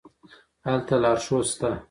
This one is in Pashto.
هلته لارښود شته.